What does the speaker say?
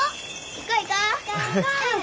行こう行こう！